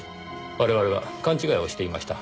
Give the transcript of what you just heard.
我々は勘違いをしていました。